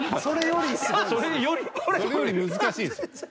それより難しいです。